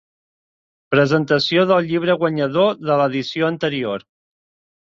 Presentació del llibre guanyador de l'edició anterior.